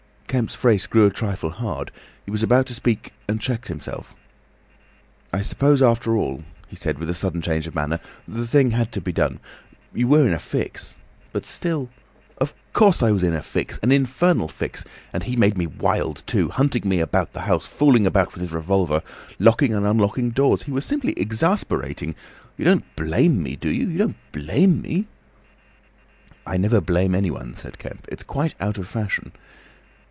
Kemp's face grew a trifle hard. He was about to speak and checked himself. "I suppose, after all," he said with a sudden change of manner, "the thing had to be done. You were in a fix. But still—" "Of course I was in a fix—an infernal fix. And he made me wild too—hunting me about the house, fooling about with his revolver, locking and unlocking doors. He was simply exasperating. You don't blame me, do you? You don't blame me?" "I never blame anyone," said Kemp. "It's quite out of fashion.